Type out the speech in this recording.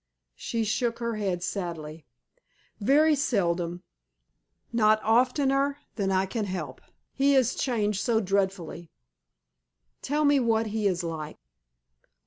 She shook her head sadly. "Very seldom. Not oftener than I can help. He is changed so dreadfully." "Tell me what he is like."